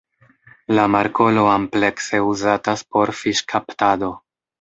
La markolo amplekse uzatas por fiŝkaptado.